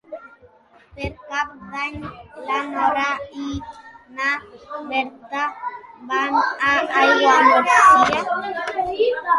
Per Cap d'Any na Nora i na Berta van a Aiguamúrcia.